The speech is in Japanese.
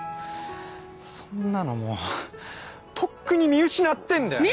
そんなのもうとっくに見失ってんだよ。